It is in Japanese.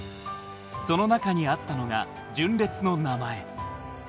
その中にあったのが純烈の名前。